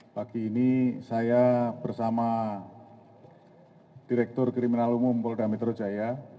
pagi ini saya bersama direktur kriminal umum polda metro jaya